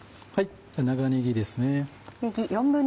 長ねぎですね。